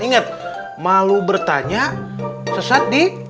ingat malu bertanya sesat di